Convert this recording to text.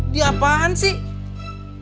di apaan sih